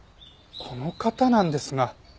この方なんですが。